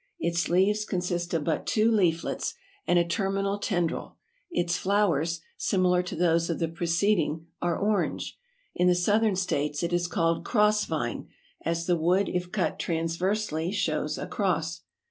Its leaves consist of but two leaflets and a terminal tendril. Its flowers, similar to those of the preceding, are orange. In the southern states it is called cross vine, as the wood if cut transversely shows a cross.